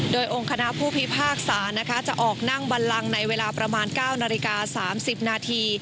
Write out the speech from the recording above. โดยองค์คณะผู้พิพากษานะคะจะออกนั่งบันลังในเวลาประมาณ๙นาฬิกา๓๐นาที